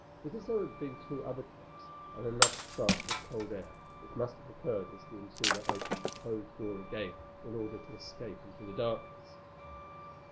Because there had been two other clicks, and another draft of cold air, which must have occurred as the intruder opened the closed door again in order to escape into the darkness.